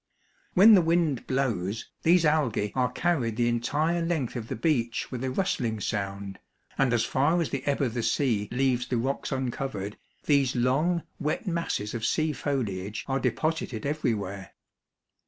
When the wind blows, these algae are carried the entire length of the beach with a rustling sound, and as far as the ebb of the sea leaves the rocks uncovered, these long, wet masses of sea foliage are deposited everywhere.